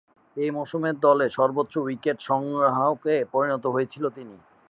ঐ মৌসুমে দলের সর্বোচ্চ উইকেট সংগ্রাহকে পরিণত হয়েছিলেন তিনি।